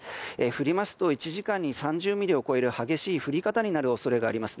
降りますと１時間に３０ミリを超える激しい降り方になる恐れがあります。